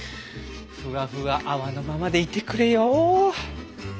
ふわふわ泡のままでいてくれよ。